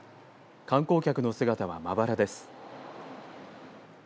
観光客の姿はまばらです。